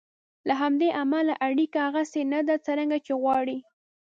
له همدې امله اړیکه هغسې نه ده څرنګه چې یې غواړئ.